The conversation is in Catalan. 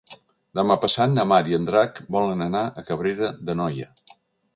Demà passat na Mar i en Drac volen anar a Cabrera d'Anoia.